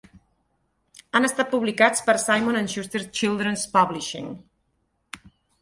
Han estat publicats per Simon and Schuster Children's Publishing.